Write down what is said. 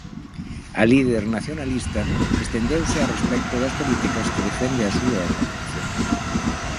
A líder nacionalista estendeuse a respecto das políticas que defende a súa organización.